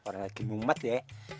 jadi ngumet ya